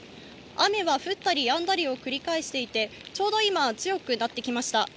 雨は降ったりやんだりを繰り返していて、ちょうど今、強くなってきました。